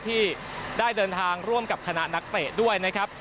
ที่ได้เดินทางร่วมกับคณะนักเตะด้วยนะครับ